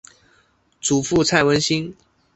祖父蔡文兴。